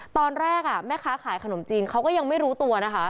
ตอนแรกแม่ค้าขายขนมจีนเขาก็ยังไม่รู้ตัวนะคะ